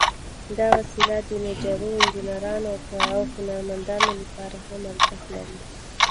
دا وسيله د نجارو، انجینرانو، او هنرمندانو لپاره هم ارزښت لري.